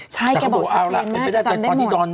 ใช่แกบอกชัดเจนมากจำได้หมด